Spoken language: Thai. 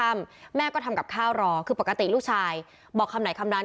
แม่ก็ทำกับข้าวรอคือปกติลูกชายบอกคำไหนคำนั้น